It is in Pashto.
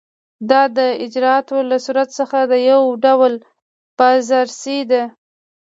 دا د اجرااتو له صورت څخه یو ډول بازرسي ده.